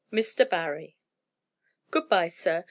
MR. BARRY. "Good bye, sir.